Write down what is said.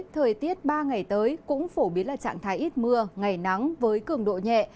thời tiết ba ngày tới cũng phổ biến là trạng thái ít mưa ngày nắng với cường độ nhẹ